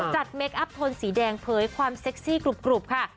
เมคอัพโทนสีแดงเผยความเซ็กซี่กรุบค่ะ